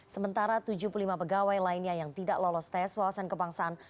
sementara tujuh puluh lima pegawai lainnya yang tidak lolos tes wawasan kebangsaan